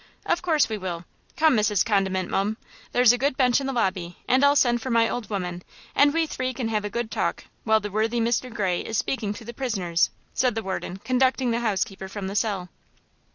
"Of course we will. Come, Mrs. Condiment, mum! There's a good bench in the lobby and I'll send for my old woman and we three can have a good talk while the worthy Mr. Gray is speaking to the prisoners," and the warden, conducting the housekeeper from the cell."